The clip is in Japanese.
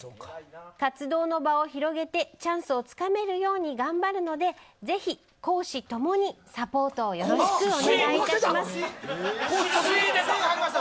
活動の場を広げてチャンスをつかめるように頑張るので、ぜひ公私ともにサポートをよろしくお願いします。